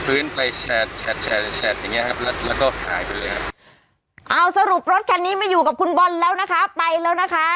เอาสรุปรถคันนี้ไม่อยู่กับคุณบอลแล้วนะคะไปแล้วนะคะ